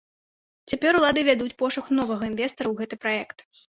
Цяпер улады вядуць пошук новага інвестара ў гэты праект.